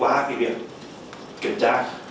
qua cái việc kiểm tra